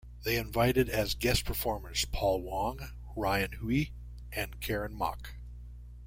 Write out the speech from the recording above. They invited as guest performers Paul Wong, Ryan Hui and Karen Mok.